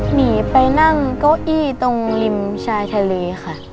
หนีไปนั่งเก้าอี้ตรงริมชายทะเลค่ะ